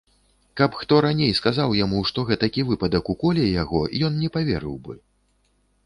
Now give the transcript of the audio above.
Каб хто раней сказаў яму, што гэтакі выпадак уколе яго, ён не паверыў бы.